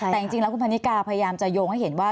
แต่จริงแล้วคุณพันนิกาพยายามจะโยงให้เห็นว่า